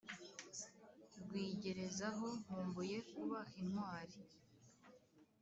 Rwigerezaho nkumbuye kuba intwali,